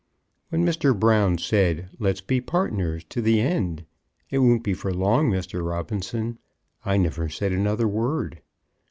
When Mr. Brown said, "Let's be partners to the end; it won't be for long, Mr. Robinson," I never said another word.